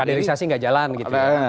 kanalisasi enggak jalan gitu ya